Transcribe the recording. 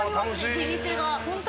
出店が。